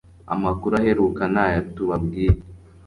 AMAKURU AHERUKA naya tubabwiye